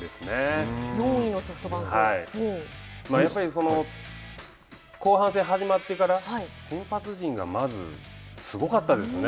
やっぱり後半戦始まってから先発陣がまずすごかったですね。